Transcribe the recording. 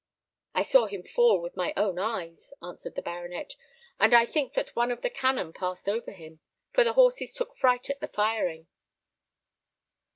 "I saw him fall with my own eyes," answered the baronet; "and I think that one of the cannon passed over him, for the horses took fright at the firing."